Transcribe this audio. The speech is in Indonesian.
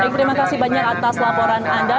baik terima kasih banyak atas laporan anda